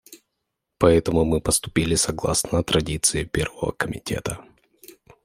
Поэтому мы поступили согласно традиции Первого комитета.